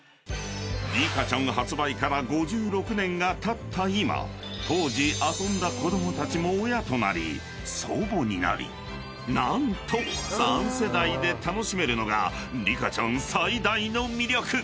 ［リカちゃん発売から５６年がたった今当時遊んだ子供たちも親となり祖母になり何と３世代で楽しめるのがリカちゃん最大の魅力！］